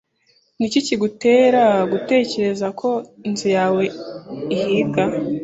Ni iki kigutera gutekereza ko inzu yawe ihiga?